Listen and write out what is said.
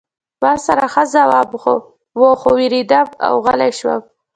ما سره ښه ځواب و خو ووېرېدم او غلی شوم